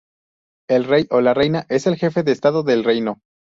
El rey o la reina es el jefe de Estado del reino.